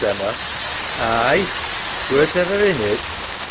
EMMA. Aye. SAM. Wert ever in it?